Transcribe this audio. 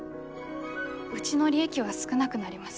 うちの利益は少なくなります。